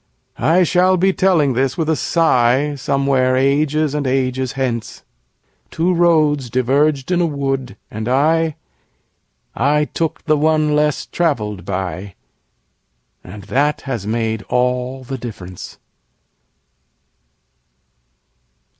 _ _I shall be telling this with a sigh Somewhere ages and ages hence: Two roads diverged in a wood, and I I took the one less traveled by, And that has made all the difference.